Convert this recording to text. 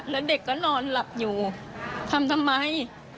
แล้วเด็กก็นอนหลับอยู่ทำทำไม